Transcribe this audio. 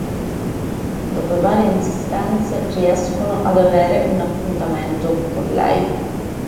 Dopo varie insistenze riescono ad avere un appuntamento con lei.